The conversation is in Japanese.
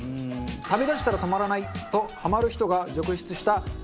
食べだしたら止まらないとハマる人が続出した新世代餃子。